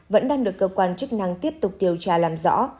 vẫn đang được cơ quan chức năng tiếp tục điều tra làm rõ